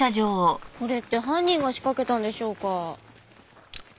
これって犯人が仕掛けたんでしょうか？